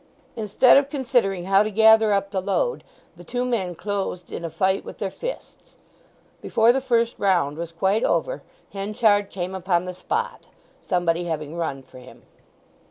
Instead of considering how to gather up the load the two men closed in a fight with their fists. Before the first round was quite over Henchard came upon the spot, somebody having run for him.